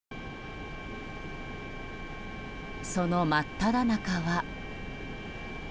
その真っただ中は。